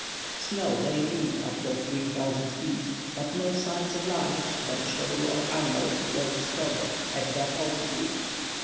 Snow lay deep after three thousand feet, but no signs of life, vegetable or animal, were discovered at that altitude.